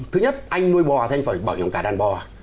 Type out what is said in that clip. thứ nhất anh nuôi bò thì anh phải bảo hiểm cả đàn bò